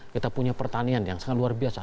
kita punya pertanian yang sangat luar biasa